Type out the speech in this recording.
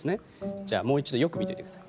じゃあもう一度よく見ていてください。